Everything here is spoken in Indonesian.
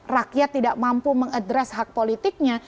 rakyat tidak mampu mengadres hak politiknya